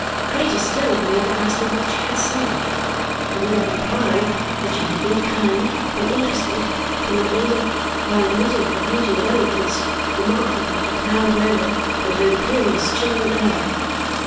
Greater still when Ada asked me what she had said, and when I replied that she had been kind and interested, and when Ada, while admitting her beauty and elegance, remarked upon her proud manner and her imperious chilling air.